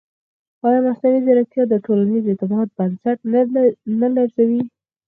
ایا مصنوعي ځیرکتیا د ټولنیز اعتماد بنسټ نه لړزوي؟